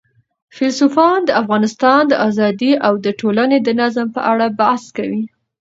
فیلسوفان د انسان د آزادۍ او د ټولني د نظم په اړه بحث کوي.